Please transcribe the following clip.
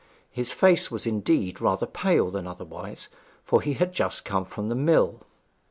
His face was indeed rather pale than otherwise, for he had just come from the mill.